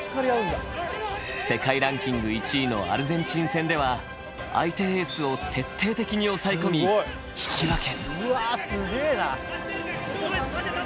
世界ランキング１位のアルゼンチン戦では相手エースを徹底的に抑え込み引き分け。